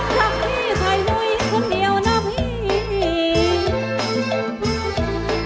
พี่มางพี่หมูก็จูโกช่วงพี่เท้งพี่หลวงบางล้อบางลีน้องอื่นมากมีไม่เคยสนใจ